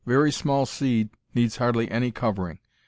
Very small seed needs hardly any covering.